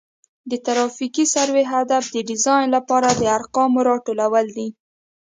د ترافیکي سروې هدف د ډیزاین لپاره د ارقامو راټولول دي